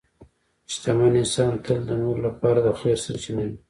شتمن انسان تل د نورو لپاره د خیر سرچینه وي.